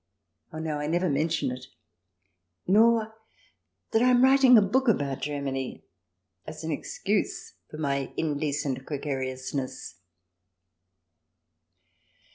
Oh no, I never mention it, nor that I am writing a book about Germany as an excuse for my indecent gregariousness.